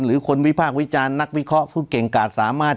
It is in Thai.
หรือคนวิพากษ์วิจารณ์นักวิเคราะห์ผู้เก่งกาดสามารถ